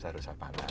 saya rusak panah